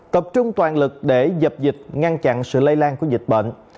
tập trung toàn lực để dập dịch ngăn chặn sự lây lan của dịch bệnh